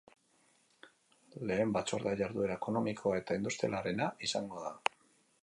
Lehen batzordea jarduera ekonomikoa eta industrialarena izango da.